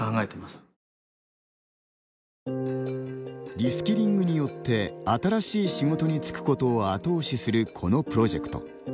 リスキリングによって新しい仕事に就くことを後押しするこのプロジェクト。